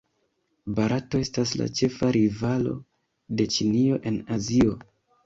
Barato estas la ĉefa rivalo de Ĉinio en Azio.